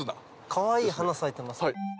かわいい花咲いてます。